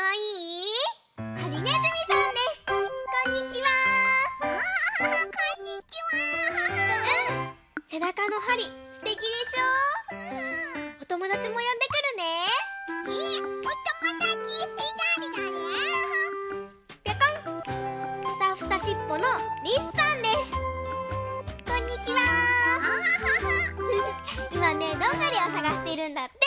いまねどんぐりをさがしてるんだって。